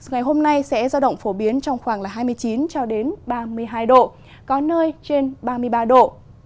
ngày hôm nay sẽ do động phổ biến trong khoảng hai mươi chín ba mươi hai độ có nơi trên ba mươi ba độ